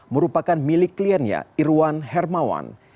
merupakan milik kliennya irwan hermawan